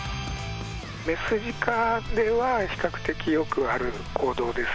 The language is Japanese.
雌ジカでは比較的よくある行動です。